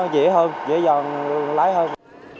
dễ hơn dễ dàng lái hơn